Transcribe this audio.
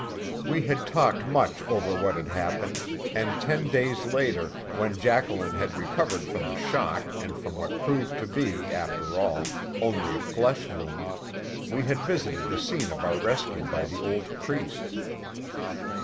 We had talked much over what had happened, and ten days later, when Jacqueline had recovered from the shock and from what proved to be, after all, only a flesh wound, we had visited the scene of our rescue by the old priest.